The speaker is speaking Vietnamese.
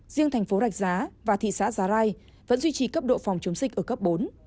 riêng thành phố rạch giá và thị xã giá rai vẫn duy trì cấp độ phòng chống dịch ở cấp bốn